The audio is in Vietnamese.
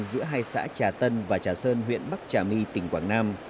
giữa hai xã trà tân và trà sơn huyện bắc trà my tỉnh quảng nam